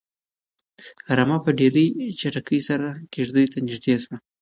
رمه په ډېرې چټکۍ سره کيږديو ته نږدې شوه.